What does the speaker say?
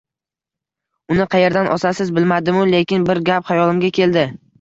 Uni qayeridan osasiz bilmadim-u, lekin bir gap xayolimga keldi: